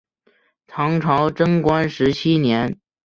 唐朝贞观十七年。